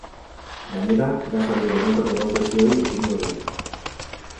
Gainera, gasaren gaineko negoziazioei ekingo diete.